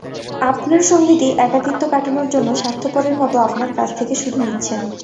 আপনার সঙ্গীটি একাকিত্ব কাটানোর জন্য স্বার্থপরের মতো আপনার কাছ থেকে শুধু নিচ্ছেন।